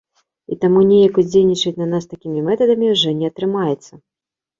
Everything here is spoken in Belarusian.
І таму неяк уздзейнічаць на нас такімі метадамі ўжо не атрымаецца.